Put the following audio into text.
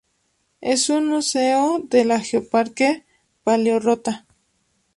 Es un museo de lo Geoparque Paleorrota.